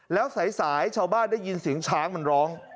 แล้วสายชาวบ้านได้ยินเสียงช้างมันร้อง